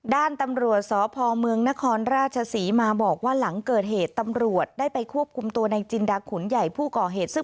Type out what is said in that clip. ด้านตำรวจสพเมืองนครราชศรีมาบอกว่าหลังเกิดเหตุตำรวจได้ไปควบคุมตัวในจินดาขุนใหญ่ผู้ก่อเหตุซึ่ง